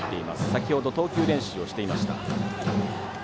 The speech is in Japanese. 先ほど、投球練習をしていました。